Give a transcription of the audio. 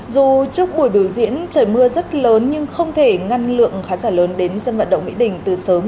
dù trước buổi biểu diễn trời mưa rất lớn nhưng không thể ngăn lượng khán giả lớn đến sân vận động mỹ đình từ sớm